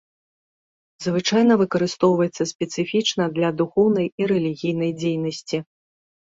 Звычайна выкарыстоўваецца спецыфічна для духоўнай і рэлігійнай дзейнасці.